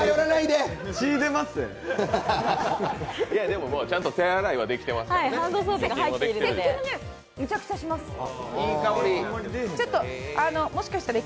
でもちゃんと手洗いはできてますから。